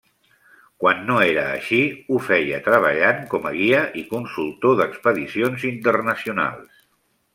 Quan no era així, ho feia treballant com a guia i consultor d'expedicions internacionals.